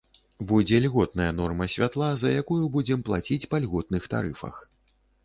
Будзе льготная норма святла, за якую будзем плаціць па льготных тарыфах.